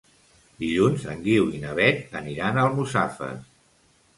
Dilluns en Guiu i na Beth aniran a Almussafes.